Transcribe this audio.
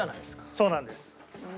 そうなんです。